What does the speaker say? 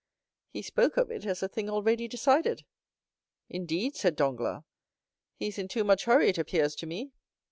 "He spoke of it as a thing already decided." "Indeed!" said Danglars, "he is in too much hurry, it appears to me."